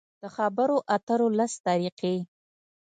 د خبرو اترو لس طریقې: